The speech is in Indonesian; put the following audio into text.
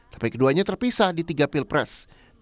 tapi keduanya terpisah di tiga pilpres